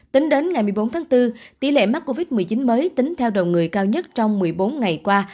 tính đến ngày một mươi bốn tháng bốn tỷ lệ mắc covid một mươi chín mới tính theo đầu người cao nhất trong một mươi bốn ngày qua